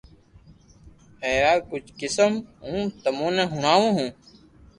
ائرا ڪجھ قسم ھون تموني ھڻاوُ ھون